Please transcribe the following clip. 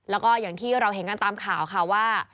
แล้วก็อย่างที่เราเห็นกันตามข่าวค่ะว่า